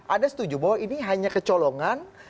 anda setuju bahwa ini hanya kecolongan